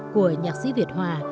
của nhạc sĩ việt hòa